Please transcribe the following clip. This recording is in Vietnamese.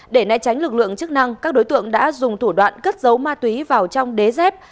để né tránh lực lượng chức năng các đối tượng đã dùng thủ đoạn cất giấu ma túy vào trong đế dép